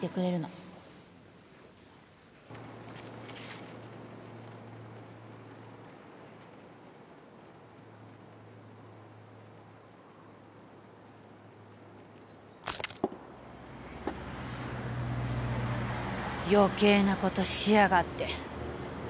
余計なことしやがってあいつ。